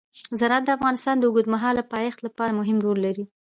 زراعت د افغانستان د اوږدمهاله پایښت لپاره مهم رول لري.